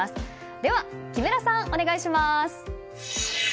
では木村さん、お願いします。